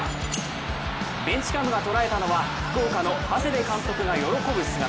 ベンチＣＡＭで捉えたのは福岡の長谷部監督が喜ぶ姿。